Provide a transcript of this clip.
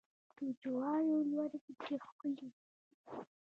د جوارو لوړ بوټي ښکلي دي.